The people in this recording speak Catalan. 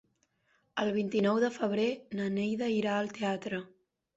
El vint-i-nou de febrer na Neida irà al teatre.